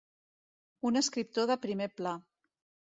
Un escriptor de primer pla.